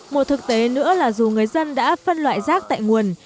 một thực tế nữa là dù người dân đã phân loại rác tại nguồn